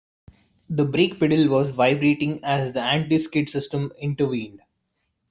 The brake pedal was vibrating as the anti-skid system intervened.